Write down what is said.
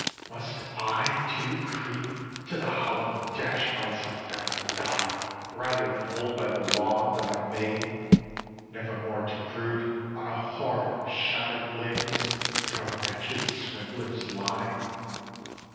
Must I too creep to the hollow and dash myself down and die Rather than hold by the law that I made, nevermore to brood On a horror of shatter'd limbs and a wretched swindler's lie?